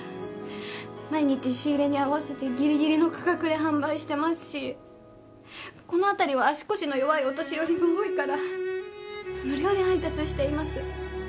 毎日仕入れに合わせてギリギリの価格で販売してますしこの辺りは足腰の弱いお年寄りも多いから無料で配達しています。